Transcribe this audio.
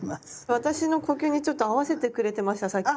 私の呼吸にちょっと合わせてくれてましたさっき？